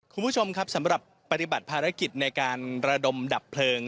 คุณผู้ชมครับสำหรับปฏิบัติภารกิจในการระดมดับเพลิง